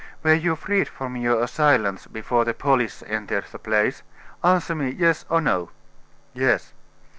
Were you freed from your assailants before the police entered the place? Answer me, yes or no." "Yes."